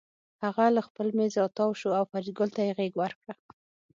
هغه له خپل مېز راتاو شو او فریدګل ته یې غېږ ورکړه